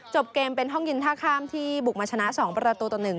เกมเป็นห้องเย็นท่าข้ามที่บุกมาชนะ๒ประตูต่อ๑